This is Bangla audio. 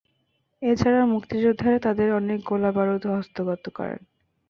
এ ছাড়া মুক্তিযোদ্ধারা তাদের অনেক গোলাবারুদ হস্তগত করেন।